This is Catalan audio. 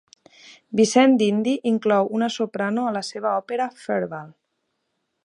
Vincent d'Indy inclou una soprano a la seva òpera "Fervaal".